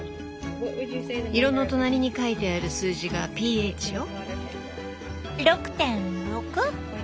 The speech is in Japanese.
色の隣に書いてある数字がｐＨよ。